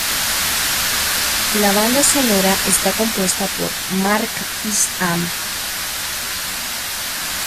La banda sonora está compuesta por Mark Isham.